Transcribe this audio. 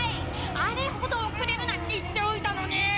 あれほどおくれるなって言っておいたのに！